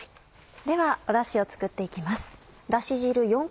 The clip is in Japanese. ではダシを作って行きます。